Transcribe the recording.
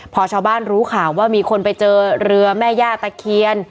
พอชาวบ้านรู้ข่าวว่ามีคนไปเจอเรือแม่ย่าตะเคียน